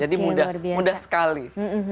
jadi mudah mudah sekali